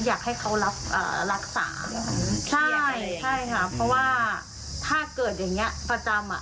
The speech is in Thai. อยากให้เขารักษาใช่ครับเพราะว่าถ้าเกิดอย่างนี้ประจำ